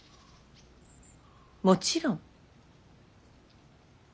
もちろん。